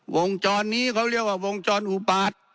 วงจรนี้เขาเรียกว่าวงจรอุบาต